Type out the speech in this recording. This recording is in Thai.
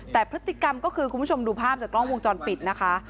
แต่พฤติกรรมก็คือคุณผู้ชมดูภาพจากกล้องวงจรปิดนะคะ